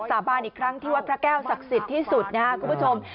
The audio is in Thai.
สาบานอีกครั้งที่วัดพระแก้วศักดิ์สิทธิ์ที่สุดนะครับคุณผู้ชม